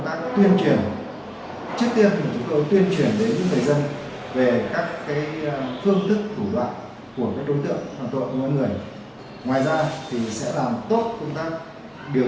trước tiên chúng tôi tuyên truyền đến những người dân về các phương thức thủ đoạn của các đối tượng hoàn toàn của mọi người